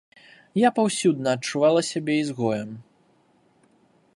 Я паўсюдна адчувала сябе ізгоем.